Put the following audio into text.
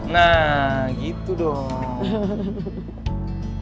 nah gitu dong